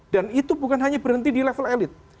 dan itu bukan hanya berhenti di level elit